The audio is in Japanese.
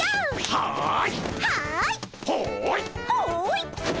はい！